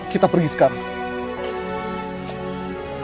kita pergi sekarang